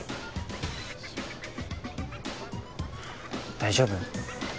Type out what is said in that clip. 大丈夫？